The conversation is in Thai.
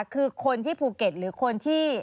คือคนที่ภูเก็ตหรือคนที่